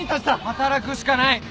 働くしかない。